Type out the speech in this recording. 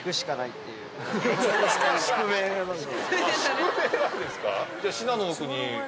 宿命なんですか。